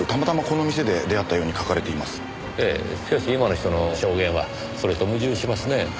しかし今の人の証言はそれと矛盾しますね。